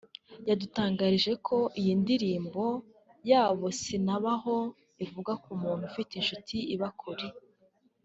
yadutangarije ko iyi ndirimbo yabo 'Sinabaho' ivuga ku muntu ufite inshuti iba kure